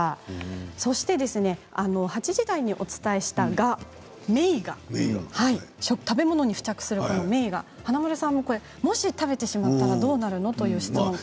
そして８時台にお伝えしたメイガ食べ物に付着するメイガ華丸さんがもし食べてしまったらどうなるの？という質問を。